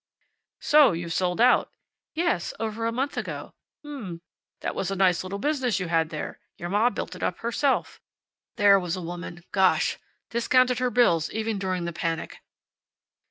"So you've sold out." "Yes. Over a month ago." "H'm. That was a nice little business you had there. Your ma built it up herself. There was a woman! Gosh! Discounted her bills, even during the panic."